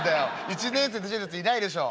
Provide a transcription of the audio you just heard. １年生でつけてるやついないでしょ」。